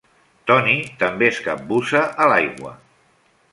Toni també es capbussa a l'aigua.